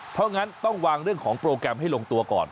เพราะงั้นต้องวางเรื่องของโปรแกรมให้ลงตัวก่อน